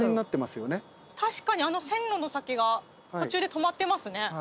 確かにあの線路の先が途中で止まってますね。